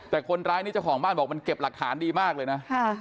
แต่คนร้ายนี้เจ้าของบ้านบอกมันเก็บหลักฐานดีมากเลยนะ